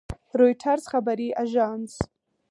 رویټرز خبري اژانس